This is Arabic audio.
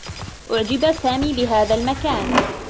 أُعجب سامي بهذا المكان.